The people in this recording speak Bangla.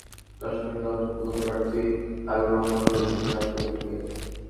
তাঁর সঙ্গে সাধারণ সম্পাদক প্রার্থী হাবিবুর রহমান লড়ছেন মাইক প্রতীক নিয়ে।